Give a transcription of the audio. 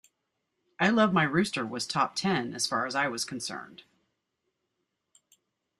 'I Love My Rooster' was Top Ten as far as I was concerned.